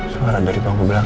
suara dari bangku belakang